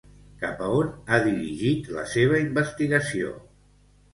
Cap a on ha dirigit la seva investigació?